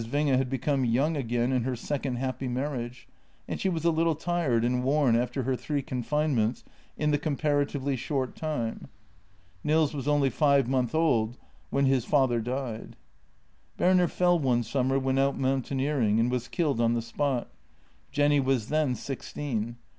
Winge had become young again in her second happy marriage, and she was a little tired and worn after her three confinements in the comparatively short time. Nils was only five months old when his father died. Berner fell one summer when out mountaineering, and w r as killed on the spot. Jenny was then sixteen.